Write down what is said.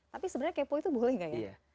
tapi sebenarnya kepo itu boleh gak ya